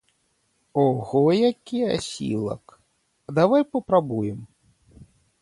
Ого, які асілак, а давай папрабуем?